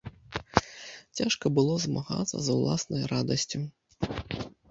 Цяжка было змагацца з уласнай радасцю.